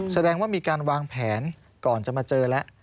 แสดงว่ามีการวางแผนก่อนจะมาเจอแล้ว